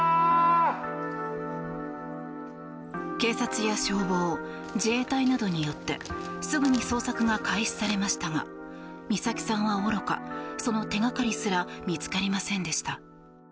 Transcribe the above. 警察や消防、自衛隊などによってすぐに捜索が開始されましたが美咲さんはおろかその手掛かりすら見つかりませんでした。